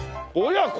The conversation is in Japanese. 親子！？